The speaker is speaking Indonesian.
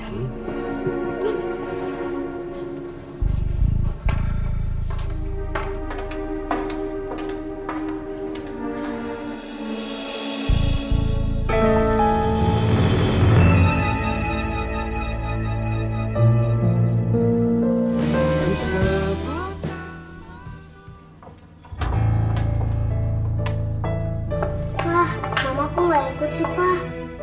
mama aku gue ikut sih pa